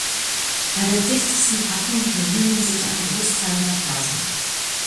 Bei der dichtesten Packung berühren sich ein Großteil der Fasern.